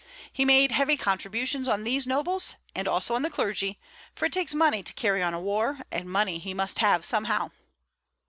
He made heavy contributions on these nobles, and also on the clergy, for it takes money to carry on a war, and money he must have somehow.